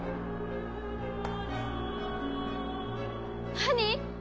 何！？